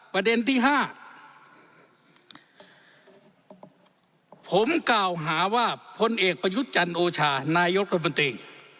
ประเด็นที่๕ผมกล่าวหาว่าพลเอกประยุทธ์จันทร์โอชานายกรัฐมนตรี